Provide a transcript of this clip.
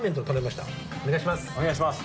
お願いします！